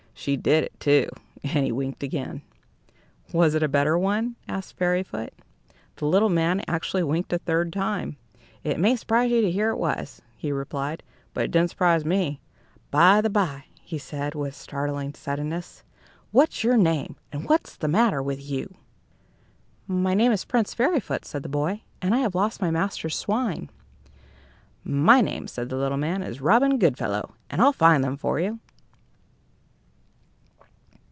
She did it, too!" And he winked again. "Was it a better one?" asked Fairyfoot. The little man actually winked a third time. "It may surprise you to hear that it was," he replied; "but it didn't surprise me. By the by," he added, with startling suddenness, "what's your name, and what's the matter with you?" "My name is Prince Fairyfoot," said the boy, "and I have lost my master's swine." "My name," said the little man, "is Robin Goodfellow, and I'll find them for you."